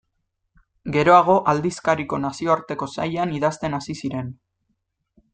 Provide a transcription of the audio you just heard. Geroago aldizkariko nazioarteko sailean idazten hasi ziren.